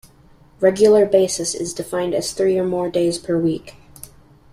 'Regular basis' is defined as three or more days per week.